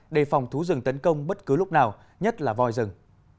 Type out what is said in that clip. đề phòng thú rừng tấn công bất cứ lúc nào nhất là voi rừng